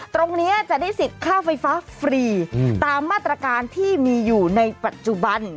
ตรงนี้จะได้สิทธิ์ค่าไฟฟ้าฟรีตามมาตรการที่มีอยู่ในปัจจุบัน